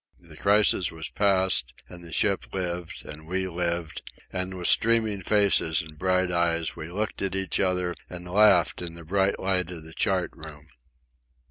The crisis was past, and the ship lived, and we lived, and with streaming faces and bright eyes we looked at each other and laughed in the bright light of the chart room.